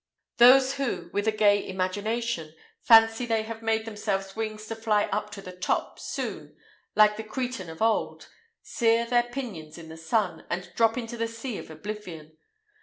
Those who, with a gay imagination, fancy they have made themselves wings to fly up to the top, soon, like the Cretan of old, sear their pinions in the sun, and drop into the sea of oblivion.